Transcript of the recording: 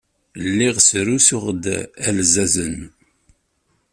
Lliɣ srusuyeɣ-d alzazen.